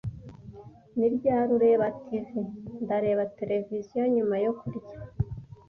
"Ni ryari ureba TV?" "Ndareba televiziyo nyuma yo kurya."